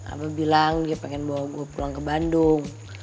aku bilang dia pengen bawa gue pulang ke bandung